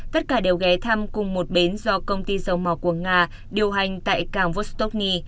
tất cả đều ghé thăm cùng một bến do công ty dầu mỏ của nga điều hành tại cảng vostokny